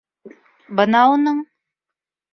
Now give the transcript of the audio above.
Бына уның